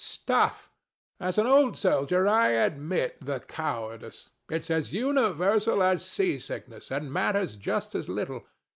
THE STATUE. Stuff! As an old soldier I admit the cowardice: it's as universal as sea sickness, and matters just as little.